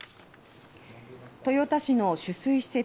豊田市の取水施設